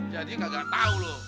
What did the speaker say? jadinya kagak tahu loh